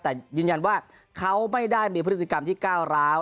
แต่ยืนยันว่าเขาไม่ได้มีพฤติกรรมที่ก้าวร้าว